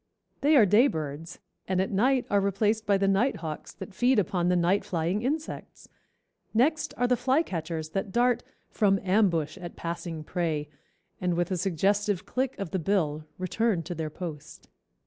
They are day birds and at night are replaced by the nighthawks that feed upon the night flying insects. Next are the flycatchers that dart "from ambush at passing prey, and with a suggestive click of the bill, return to their post."